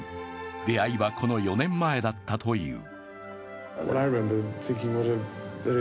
出会いは、この４年前だったという。